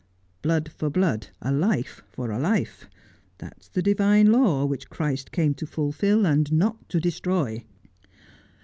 Blood for blood— a life for a life. That is the divine law, which Christ came to fulfil and not to destroy.'